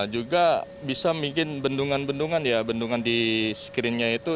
juga bisa mungkin bendungan bendungan ya bendungan di screennya itu